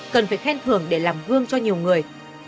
cần phải khen thưởng để làm gương cho nhiều người